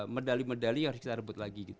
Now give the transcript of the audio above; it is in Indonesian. medali medali harus kita rebut lagi